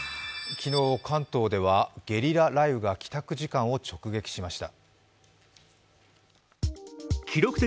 昨日、関東ではゲリラ雷雨が帰宅時間を直撃しました。